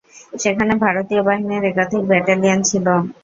সেখানে ভারতীয় বাহিনীর একাধিক ব্যাটালিয়ন ছিল।